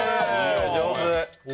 上手。